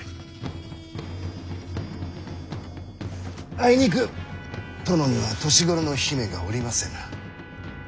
あいにく殿には年頃の姫がおりませぬ。